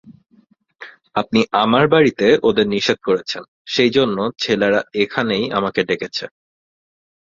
আপনি আমার বাড়িতে ওদের নিষেধ করেছেন সেইজন্যে ছেলেরা এখানেই আমাকে ডেকেছে।